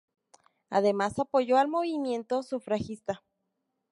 Además apoyó al movimiento sufragista.